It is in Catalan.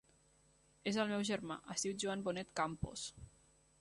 És el meu germà, es diu Joan Bonet Campos.